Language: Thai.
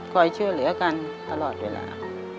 คอยเชื่อเหลือกันตลอดเวลา